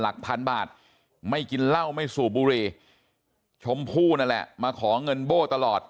หลักพันบาทไม่กินเหล้าไม่สูบบุรีชมพู่นั่นแหละมาขอเงินโบ้ตลอด